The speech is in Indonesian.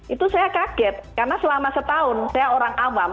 itu saya kaget karena selama setahun saya orang awam